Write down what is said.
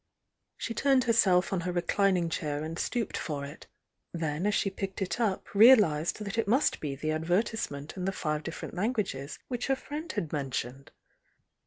She turned herself on her reclining chair and stooped for it,— then as she picked it up realised that it must be the advertise ment in the five different languages which her friend had mentioned.